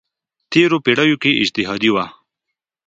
تېرو پېړیو کې اجتهادي وه.